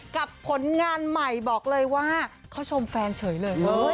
ผลงานใหม่บอกเลยว่าเขาชมแฟนเฉยเลย